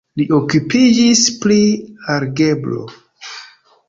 Li okupiĝis pri algebro.